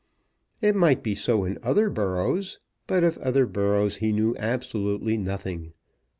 It might be so in other boroughs, but of other boroughs he knew absolutely nothing.